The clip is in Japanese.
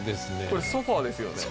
これソファですよね？